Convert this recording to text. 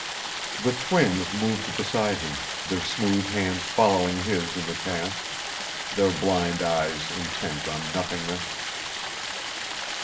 The twins moved beside him, their smooth hands following his in the task, their blind eyes intent on nothingness.